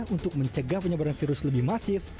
untuk mencegah penyebaran virus lebih masif